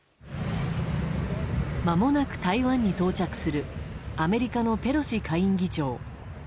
まもなく台湾に到着するアメリカのペロシ下院議長。